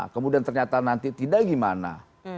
kemudian ternyata nanti tidak gimana